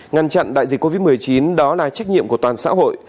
ngăn chặn đại dịch covid một mươi chín đó là trách nhiệm của toàn xã hội